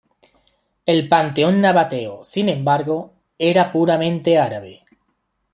El panteón nabateo, sin embargo, era puramente árabe.